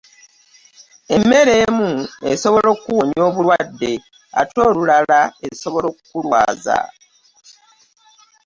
Emmere emu esobola okukuwonya endwadde ate olulala esobola okukulwaza